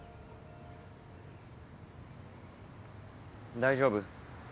大丈夫？